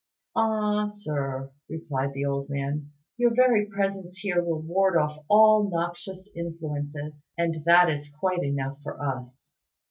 "Ah, Sir," replied the old man, "your very presence here will ward off all noxious influences; and that is quite enough for us."